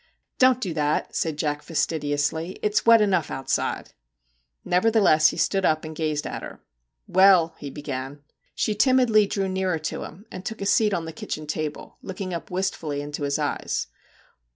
* Don't do that,' said Jack fastidiously, ' it's wet enough outside/ Nevertheless he stood up and gazed at her. ' Well/ he began. She timidly drew nearer to him and took a seat on the kitchen table, looking up wistfully into his eyes.